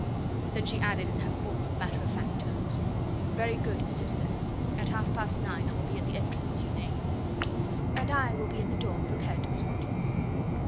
Then she added in her former matter of fact tones: "Very good, citizen. At half past nine I will be at the entrance you name." "And I will be at the door prepared to escort you."